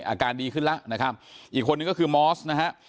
อาการดีขึ้นแล้วนะครับอีกคนนึงก็คือมอสนะฮะ